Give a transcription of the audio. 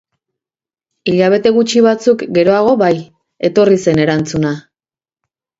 Hilabete gutxi batzuk geroago bai, etorri zen erantzuna.